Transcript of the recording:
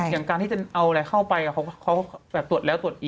อย่างการที่จะเอาอะไรเข้าไปเขาแบบตรวจแล้วตรวจอีก